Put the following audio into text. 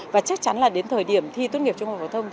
và chắc chắn là đến thời điểm thi tốt nghiệp trung học phổ thông